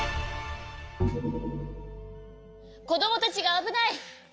こどもたちがあぶない！